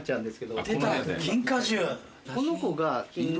この子が。